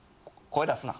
声出すな。